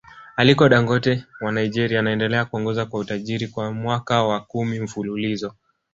Aliko Dangote wa Nigeria anaendelea kuongoza kwa utajiri kwa mwaka wa Kumi mfululizo